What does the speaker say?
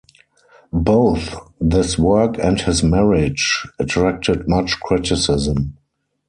Both this work and his marriage attracted much criticism.